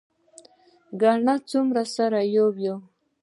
ګڼه څومره سره یو یو.